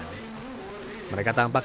mereka tampaknya tidak menggoda